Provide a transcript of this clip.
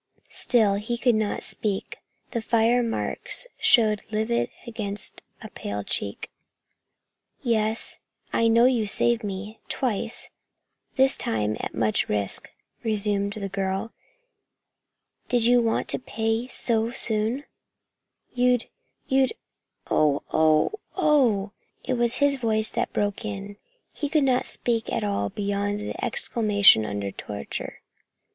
Still he could not speak. The fire marks showed livid against a paling cheek. "Yes, I know you saved me twice, this time at much risk," resumed the girl. "Did you want pay so soon? You'd you'd " "Oh! Oh! Oh!" It was his voice that now broke in. He could not speak at all beyond the exclamation under torture.